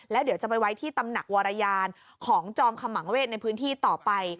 แล้วเดี๋ยวจะไปไว้ที่ตำหนักวรยานของจอมขมังเวศในพื้นที่ต่อไป